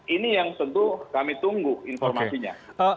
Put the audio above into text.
ini yang tentu kami tunggu informasinya